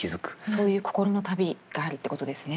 そういう心の旅があるってことですね。